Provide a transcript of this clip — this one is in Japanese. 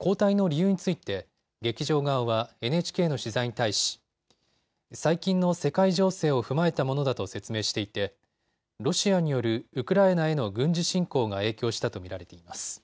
交代の理由について劇場側はＮＨＫの取材に対し最近の世界情勢を踏まえたものだと説明していてロシアによるウクライナへの軍事侵攻が影響したと見られています。